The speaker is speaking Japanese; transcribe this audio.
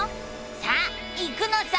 さあ行くのさ！